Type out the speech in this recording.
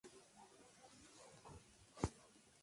Todos en el mismo año.